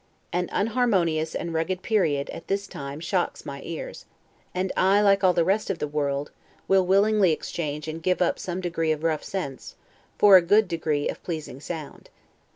An unharmonious and rugged period, at this time, shocks my ears; and I, like all the rest of the world, will willingly exchange and give up some degree of rough sense, for a good degree of pleasing sound.